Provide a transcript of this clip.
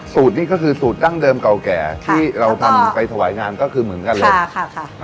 สูตรนี้ก็คือสูตรดั้งเดิมเก่าแก่ที่เราทำไปถวายงานก็คือเหมือนกันเลยค่ะ